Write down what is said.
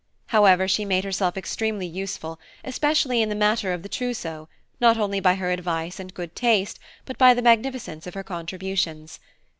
However, she made herself extremely useful, especially in the matter of the trousseaux, not only by her advice and good taste, but by the magnificence of her contributions.